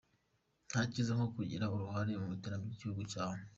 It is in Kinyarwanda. Nta cyiza nko kugira uruhare mu iterambere ry’igihugu cyawe."